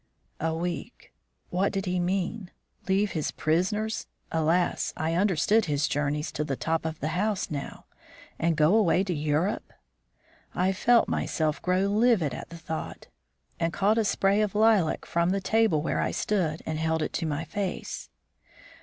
A week! What did he mean? Leave his prisoners alas, I understood his journeys to the top of the house now and go away to Europe? I felt myself grow livid at the thought, and caught a spray of lilac from the table where I stood and held it to my face.